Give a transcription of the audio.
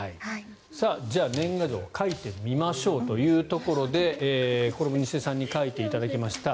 じゃあ、年賀状書いてみましょうというところでこれも西出さんに書いていただきました。